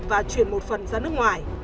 và chuyển một phần ra nước ngoài